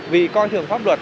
vì coi thường pháp luật